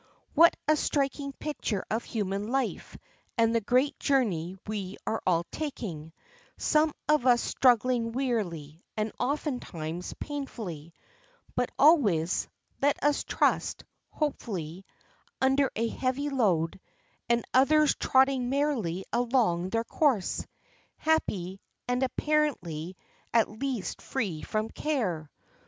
What a striking picture of human life and the great journey we all are taking—some of us struggling wearily, and oftentimes painfully, but always, let us trust, hopefully, under a heavy load, and others trotting merrily along their course, happy, and apparently at least free from care.